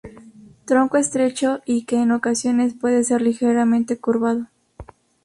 Tronco estrecho y que en ocasiones puede ser ligeramente curvado.